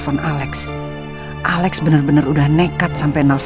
sus pupilimamu udah beda apakahicio